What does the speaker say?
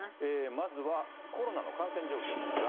まずは、コロナの感染状況ですが。